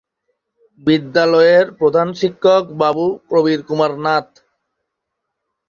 বিদ্যালয়ের প্রধান শিক্ষক বাবু প্রবীর কুমার নাথ।